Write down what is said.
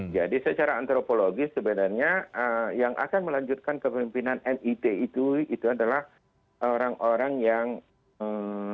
jadi secara antropologis sebenarnya yang akan melanjutkan kepemimpinan mit itu adalah orang orang yang terkenal